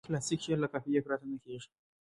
کلاسیک شعر له قافیه پرته نه کیږي.